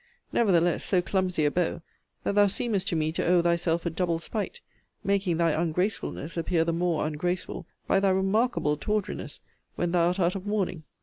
Nevertheless so clumsy a beau, that thou seemest to me to owe thyself a double spite, making thy ungracefulness appear the more ungraceful, by thy remarkable tawdriness, when thou art out of mourning.